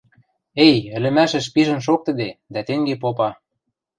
«Эй, ӹлӹмӓшӹш пижӹн шоктыде, дӓ тенге попа.